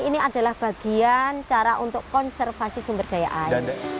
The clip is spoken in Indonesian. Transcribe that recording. ini adalah bagian cara untuk konservasi sumber daya air